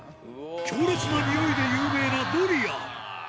強烈なにおいで有名なドリアン。